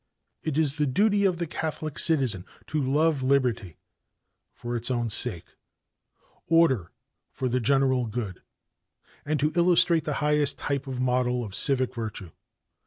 It is the duty of the Catholic citizen to love liberty for its own sake, order for the general good and to illustrate the highest type and model of civic virtue.